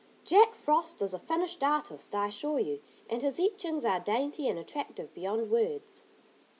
Jack Frost is a finished artist, I assure you, and his etchings are dainty and attractive beyond words.